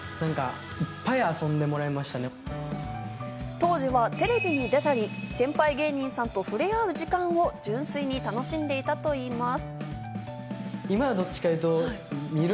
当時はテレビに出たり、先輩芸人さんと触れ合う時間を純粋に楽しんでいたといいます。